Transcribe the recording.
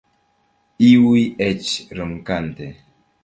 Iuj eĉ ronkante.